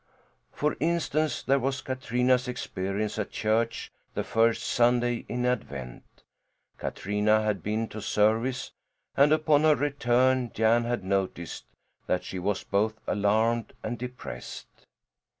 For instance, there was Katrina's experience at church the first Sunday in Advent. Katrina had been to service, and upon her return Jan had noticed that she was both alarmed and depressed.